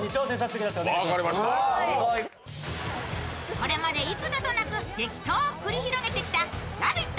これまで幾度となく激闘を繰り広げてきた「「ラヴィット！